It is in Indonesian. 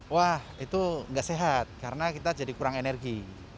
wah itu nggak sehat karena kita jadi kurang energi